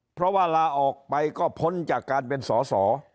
เพราะว่าลาออกไปก็พ้นจากการเป็นสอสอ